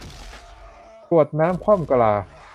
กรวดน้ำคว่ำกะลา